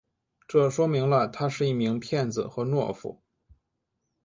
这说明了他是一名骗子和懦夫。